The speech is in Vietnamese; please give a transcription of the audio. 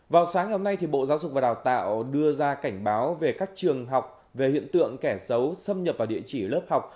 vào sáng ngày hôm nay bộ giáo dục và đào tạo đưa ra cảnh báo về các trường học về hiện tượng kẻ xấu xâm nhập vào địa chỉ lớp học